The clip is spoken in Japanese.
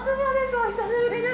お久しぶりです。